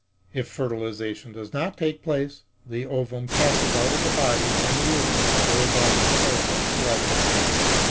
If fertilization does not take place, the ovum passes out of the body and the uterus throws off its surplus blood supply.